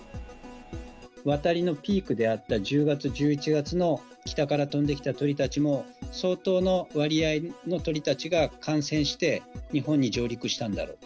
渡りのピークであった１０月、１１月の北から飛んできた鳥たちも、相当の割合の鳥たちが感染して、日本に上陸したんだろうと。